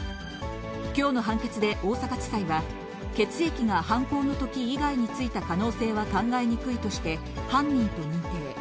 きょうの判決で大阪地裁は、血液が犯行のとき以外についた可能性は考えにくいとして犯人と認定。